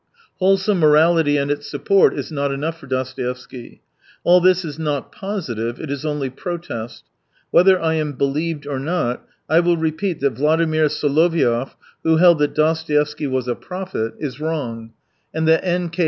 Wholesome morality and its support is not enough for Dostoevsky. All this is not " positive," it is only " pro test." Whether I am believed or not, I will repeat that Vladimir Soloviov, who held that Dostoevsky was a prophet, is 208 wrong, and that N. K.